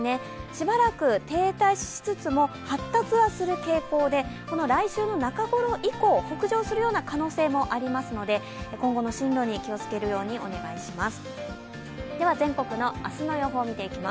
しばらく停滞しつつも発達はする傾向で、来週の中ごろ以降、北上する可能性もありますので、今後の進路に気をつけるようにお願いします。